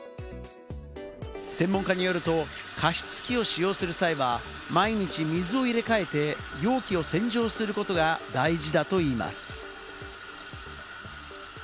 専門家によると、加湿器を使用する際は毎日水を入れ替えて容器を洗浄することが大事だといいます。